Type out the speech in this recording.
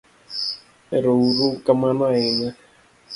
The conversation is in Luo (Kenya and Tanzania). erouru kamano ahinya